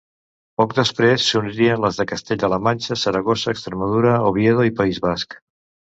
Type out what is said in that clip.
Poc després s'unirien les de Castella-la Manxa, Saragossa, Extremadura, Oviedo i País Basc.